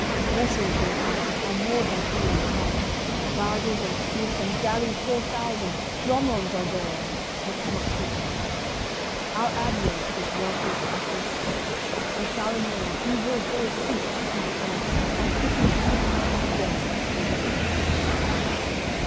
Vessels we have, are moored by Sebres bank, Barges and skiffs and gallies four thousand, Dromonds are there I cannot speak of that. Our admiral is wealthy and puissant. And Charlemagne he will go seek through France And quittance give him, dead or recreant."